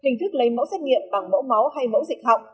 hình thức lấy mẫu xét nghiệm bằng mẫu máu hay mẫu dịch học